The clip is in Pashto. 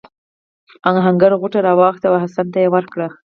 آهنګر غوټه راواخیسته او حسن ته یې ورکړه.